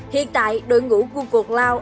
hiện tại đội ngũ google cloud